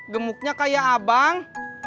gemuknya kayak abang